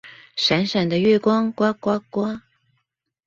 閃閃的月光呱呱呱